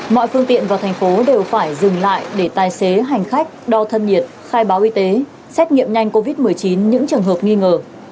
mọi phương tiện vào thành phố đều phải dừng lại để tài xế hành khách đo thân nhiệt khai báo y tế xét nghiệm nhanh covid một mươi chín những trường hợp nghi ngờ